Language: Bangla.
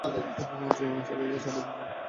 দুজনে ছাদে এসে ছাদে প্রবেশের দরজা বন্ধ করে দিলে।